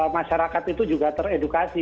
masyarakat itu juga teredukasi